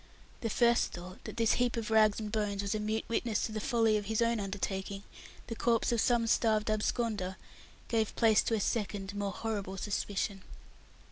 The first thought that this heap of rags and bones was a mute witness to the folly of his own undertaking, the corpse of some starved absconder gave place to a second more horrible suspicion.